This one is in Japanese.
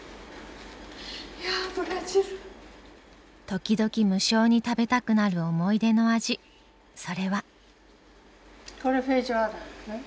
時々無性に食べたくなる思い出の味それは。